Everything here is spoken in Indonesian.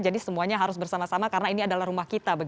jadi semuanya harus bersama sama karena ini adalah rumah kita